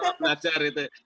masih sama sama belajar gitu